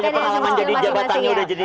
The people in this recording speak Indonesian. langsung jadi masing masing ya